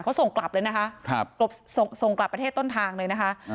เขาส่งกลับเลยนะคะส่งกลับประเทศต้นทางเลยนะคะ